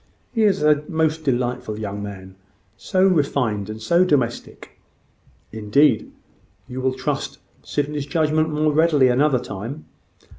He is a most delightful young man so refined! and so domestic!" "Indeed! You will trust Sydney's judgment more readily another time."